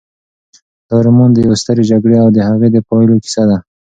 دا رومان د یوې سترې جګړې او د هغې د پایلو کیسه ده.